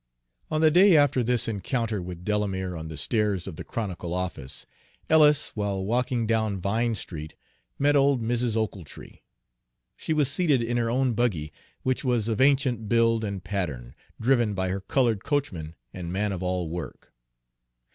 On the day after this encounter with Delamere on the stairs of the Chronicle office, Ellis, while walking down Vine Street, met old Mrs. Ochiltree. She was seated in her own buggy, which was of ancient build and pattern, driven by her colored coachman and man of all work.